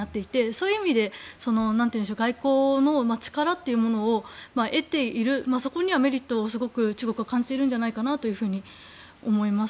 そういう意味で外交の力というものを得ているそこにはメリットを中国はすごく中国は感じているんじゃないかなと思います。